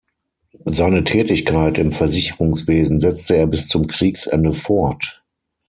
Seine Tätigkeit im Versicherungswesen setzte er bis zum Kriegsende fort.